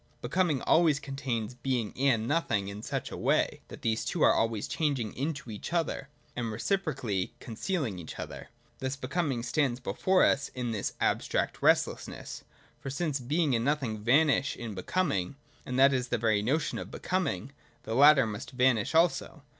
Becoming always contains Being and Nothing in such a way, that these two are always changing into each other, and reciprocally can celling each other. Thus Becoming stands before us in utter restlessness — unable however to maintain itself in this abstract restlessness :) for since Being and Nothing vanish in Becoming (and That is the very notion of Becom ing), the latter must vanish also.